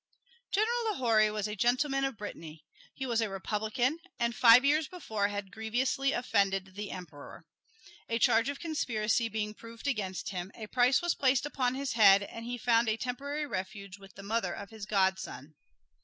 General Lahorie was a gentleman of Brittany. He was a Republican, and five years before had grievously offended the Emperor. A charge of conspiracy being proved against him, a price was placed upon his head, and he found a temporary refuge with the mother of his godson.